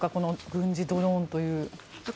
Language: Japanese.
軍事ドローンという。